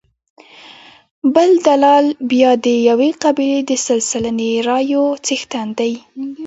بل دلال بیا د یوې قبیلې د سل سلنې رایو څښتن دی.